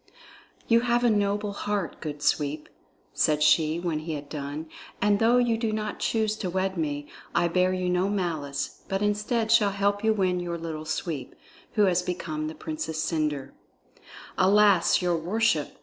"You have a noble heart, good Sweep," said she when he had done, "and though you do not choose to wed me, I bear you no malice, but instead shall help you win your Little Sweep, who has become the Princess Cendre." "Alas, your worship!"